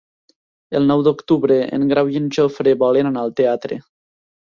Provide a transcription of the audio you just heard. El nou d'octubre en Grau i en Jofre volen anar al teatre.